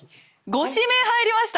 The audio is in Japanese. ご指名入りました！